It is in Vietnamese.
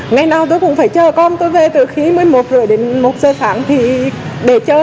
ngày nào tôi cũng phải chờ con tôi về từ khí một mươi một h ba mươi đến một h tháng thì để chờ